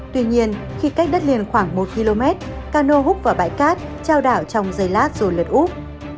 tuy nhiên khi cách đất liền khoảng một km cano hút vào bãi cát trao đảo trong dây lát rồi lật úp